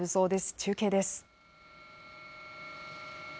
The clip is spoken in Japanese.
中継です。